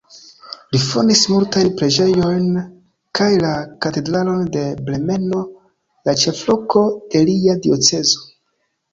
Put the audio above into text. Li fondis multajn preĝejojn kaj la katedralon de Bremeno, la ĉefloko de lia diocezo.